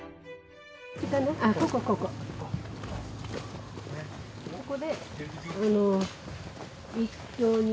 ここここ。